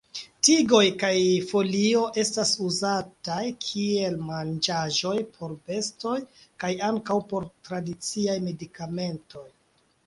Tigoj kaj folio estas uzataj kiel manĝaĵo por bestoj kaj ankaŭ por tradiciaj medikamentoj.